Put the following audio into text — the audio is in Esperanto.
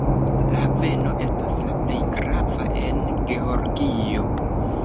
La haveno estas la plej grava en Georgio.